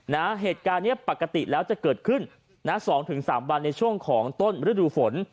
นะเหตุการณ์เนี่ยปกติแล้วจะเกิดขึ้น๒๓วันในช่วงของต้นฤดูฝน